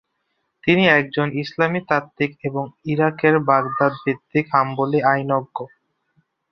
তিনি একজন ইসলামী তাত্ত্বিক এবং ইরাকের বাগদাদ ভিত্তিক হাম্বলী আইনজ্ঞ।